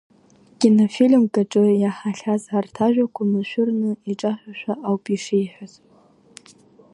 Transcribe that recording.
Кинофильмк аҿы иаҳахьаз арҭ ажәақәа машәырны иҿашәашәа ауп ишиҳәаз.